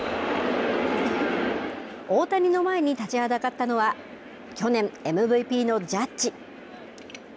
大谷の前に立ちはだかったのは去年ＭＶＰのジャッジ。